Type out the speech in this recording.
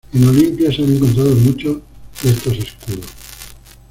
En Olimpia se han encontrado muchos de estos escudos.